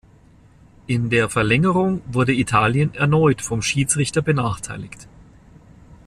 In der Verlängerung wurde Italien erneut vom Schiedsrichter benachteiligt.